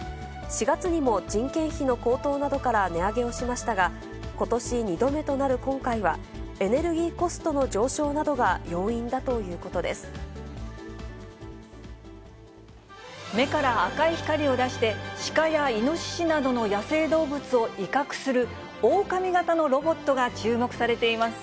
４月にも人件費の高騰などから値上げをしましたが、ことし２度目となる今回は、エネルギーコストの上昇などが要因だということで目から赤い光を出して、シカやイノシシなどの野生動物を威嚇する、オオカミ型のロボットが注目されています。